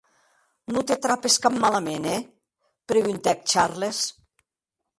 Non te trapes cap malament, è?, preguntèc Charles.